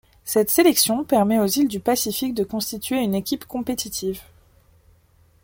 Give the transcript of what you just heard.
Cette sélection permet aux îles du Pacifique de constituer une équipe compétitive.